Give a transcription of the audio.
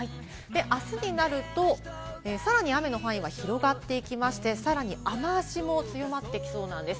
明日になると、さらに雨の範囲は広がっていきまして、さらに雨脚も強まっていきそうなんです。